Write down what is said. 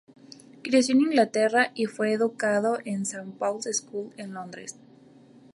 Creció en Inglaterra y fue educado en el St Paul's School, en Londres.